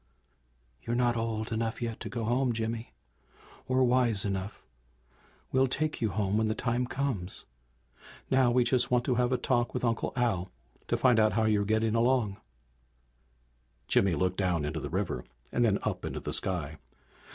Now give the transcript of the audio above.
"You're not old enough yet to go home, Jimmy! Or wise enough. We'll take you home when the time comes. Now we just want to have a talk with Uncle Al, to find out how you're getting along." Jimmy looked down into the river and then up into the sky.